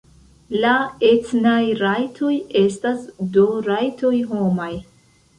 La etnaj rajtoj estas do rajtoj homaj.